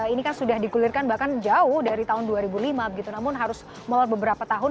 ini kan sudah digulirkan bahkan jauh dari tahun dua ribu lima namun harus mulai beberapa tahun